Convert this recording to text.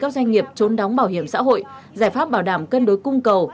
các doanh nghiệp trốn đóng bảo hiểm xã hội giải pháp bảo đảm cân đối cung cầu